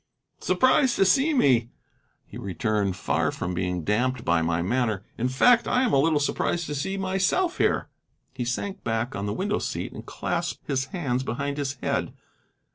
"Surprised to see me!" he returned, far from being damped by my manner. "In fact, I am a little surprised to see myself here." He sank back on the window seat and clasped his hands behind his head.